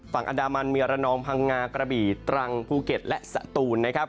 ฝั่งอันดามันมีระนองพังงากระบี่ตรังภูเก็ตและสตูนนะครับ